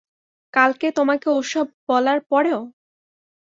কালকে তোমাকে ওসব বলার পরেও?